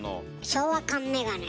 「昭和感メガネ」